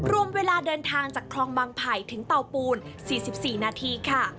รวมเวลาเดินทางจากคลองบางไผ่ถึงเตาปูน๔๔นาทีค่ะ